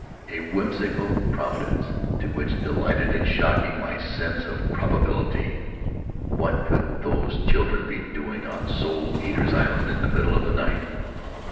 A whimsical Providence, too, which delighted in shocking my sense of probability. What could those children be doing on Soul Eaters' Island in the middle of the night?